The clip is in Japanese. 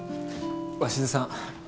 鷲津さん